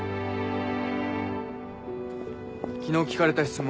昨日聞かれた質問